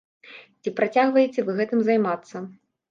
Ці працягваеце вы гэтым займацца?